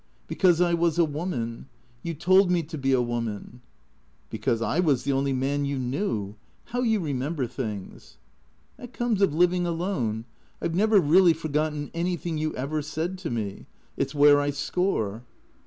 " Because I was a woman. You told me to be a woman !"" Because I was the only man you knew. How you remember things." " That comes of living alone. I 've never really forgotten anything you ever said to me. It 's where I score."